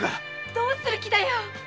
どうする気だよ！？